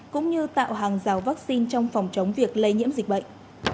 cũng như tạo hàng rào vaccine trong phòng chống việc lây nhiễm dịch bệnh